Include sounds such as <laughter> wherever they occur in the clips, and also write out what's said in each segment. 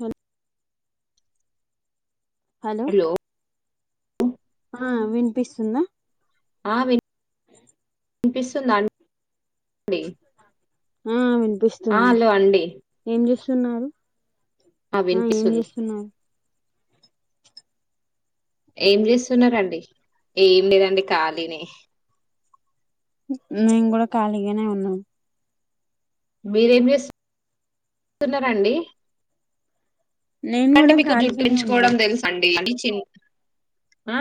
Hello hello ఆ వినిపిస్తుందా. ఆ విన్ వినిపిస్తుందా అండి. ఆ ఆ పిస్తుంది హలో అండి ఏం జేస్ స్తున్నారు. ఆ ఏం చేస్తున్నావు. ఏం చేస్తున్నారండి ఏం లేదండి ఖాళీనె ఉ నేను కూడా ఖాళీగానే ఉన్నాను మీరేం జేస్ స్తున్నారంండి నేను డి కూడా మీకు ఖాళీగానే జుట్టించుకోవడం ఉన్నాను తెలుసండి అండీ చి ఆ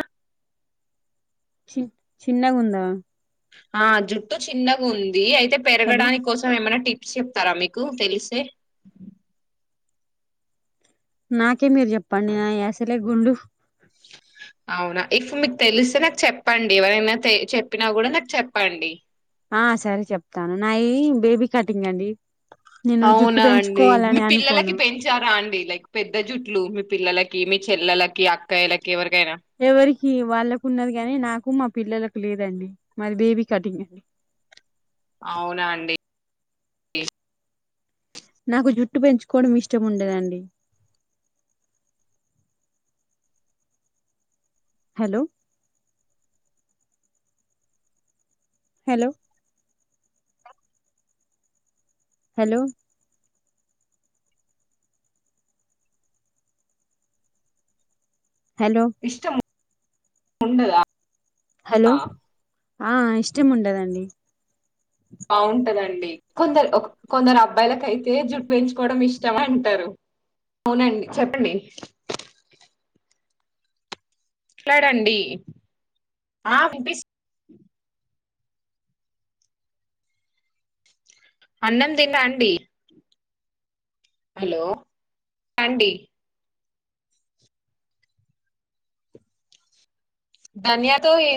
చి చిన్నగుంద ఆ జుట్టు చిన్నగా ఉందియి అయ్ తే హలో పెరగడాని కోసం ఏమైన్నా టిప్ చెప్తారా మీకు తెలిసే నాక్ కే మీరు చెప్పండి నా అసలే గుండు <inaudible> అవునా ఇప్పు మీకు తెలిస్తే నాకు చెప్పండి ఎవరైనా తే చెప్పినా కూడా నాకు చెప్పండి ఆ సరే చెప్తాను నాయ బేబీ కటింగ్ అండి నేను జుట్టు అవునా అండి మీ పెంచుకోవాలని పిల్లలకి అనుకోను పెంచారా అండి లైక్ పెద్ద జుట్లు మీ పిల్లలకి మీ చెల్లెలకి అక్కాయిలకి ఎవరి ఎవరికి వాళ్ళకు ఉన్నది కాగాని నాకు మా పిల్లలకు లేదండి మారి బేబీ కటింగ్ అండి అవునా అండి నాకు జుట్టు పెంచుకోవడం ఇష్టం ఉండదండి హలో హలో <inaudible> హలో హలో ఉండద హలో ఆ ఇష్టం ఉండదండి బాగుంటదండి కొందరు ఒ కొందరు అబ్బాయిలకయితే జుట్ పెంచుకోవడం ఇష్టం అంటారు అవునండి చెప్పండి ఎ రండి ఆ వినిపిస్ అన్నం దిన అండి హలో అండి ధనియా తో ఏ